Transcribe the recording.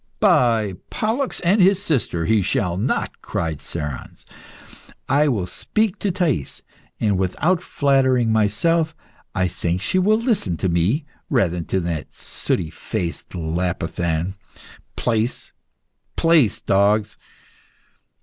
"By Pollux and his sister, he shall not!" cried Cerons. "I will speak to Thais, and without flattering myself, I think she will listen to me rather than to that sooty faced Lapithan. Place! Place, dogs!"